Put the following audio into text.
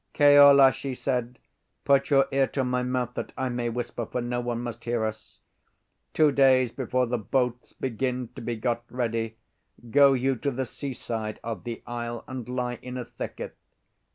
"Keola," she said, "put your ear to my mouth that I may whisper, for no one must hear us. Two days before the boats begin to be got ready, go you to the sea side of the isle and lie in a thicket.